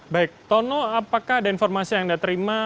baik tono apakah ada informasi yang anda terima